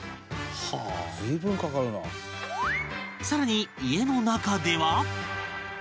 更に家の中では